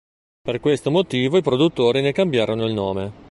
Per questo motivo i produttori ne cambiarono il nome.